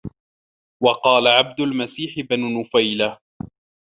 وَقَالَ عَبْدُ الْمَسِيحِ بْنُ نُفَيْلَةَ